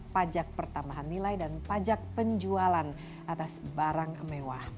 pajak pertambahan nilai dan pajak penjualan atas barang mewah